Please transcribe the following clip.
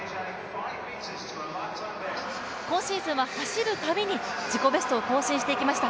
今シーズンは走るたびに自己ベストを更新していきました。